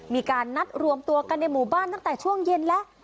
มีการนัดรวมตัวกันในหมู่บ้านตั้งแต่ช่วงเย็นแล้ว